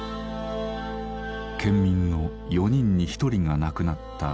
県民の４人に１人が亡くなった沖縄。